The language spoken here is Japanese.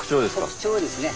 特徴ですね。